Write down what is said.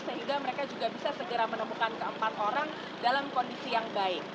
sehingga mereka juga bisa segera menemukan keempat orang dalam kondisi yang baik